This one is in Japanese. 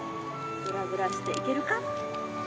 グラグラしていけるか？